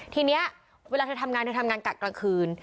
ทีนี้เวลาเธอทำงานเธอทำงานกะกลางคืน